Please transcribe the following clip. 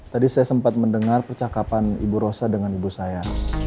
tadi saya sempat mendengar percakapan ibu rosa dengan ibu saya